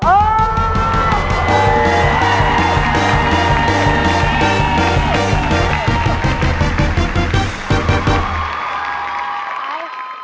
เฮ้ย